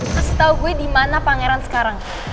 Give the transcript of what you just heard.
kasih tau gue di mana pangeran sekarang